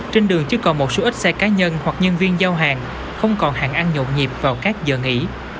trên đường chỉ còn một số ít xe cá nhân hoặc nhân viên giao hàng không còn hàng ăn nhộn nhịp vào các giờ nghỉ